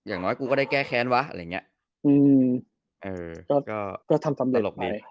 เออก็ทำสำเร็จมากเลย